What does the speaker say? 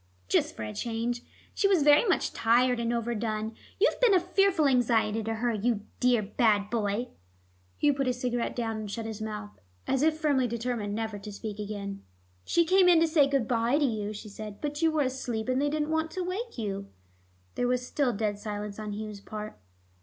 "Just for a change. She was very much tired and overdone. You've been a fearful anxiety to her, you dear bad boy." Hugh put his cigarette down and shut his mouth, as if firmly determined never to speak again. "She came in to say good by to you," she said, "but you were asleep and they didn't want to wake you." There was still dead silence on Hugh's part.